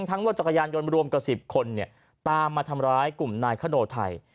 ทั้งรถจักรยานยนต์รวมกับสิบคนเนี้ยตามมาทำร้ายกลุ่มนายขนโดไทย